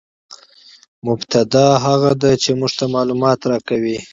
مبتداء هغه ده، چي موږ ته معلومات راکوي.